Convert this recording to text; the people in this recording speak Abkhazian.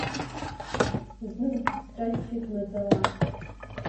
Знык дысҿаччеит маӡала…